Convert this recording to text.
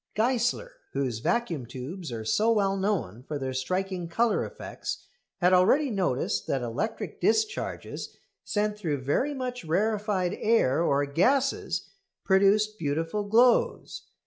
Geissler, whose vacuum tubes are so well known for their striking colour effects, had already noticed that electric discharges sent through very much rarefied air or gases produced beautiful glows.